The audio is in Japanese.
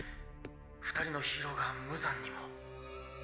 ２人のヒーローが無残にも」。